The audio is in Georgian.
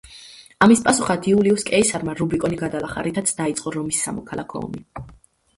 ამის პასუხად იულიუს კეისარმა რუბიკონი გადალახა, რითაც დაიწყო რომის სამოქალაქო ომი.